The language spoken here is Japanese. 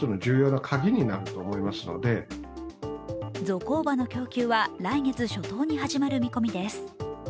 ゾコーバの供給は来月初頭に始まる見込みです。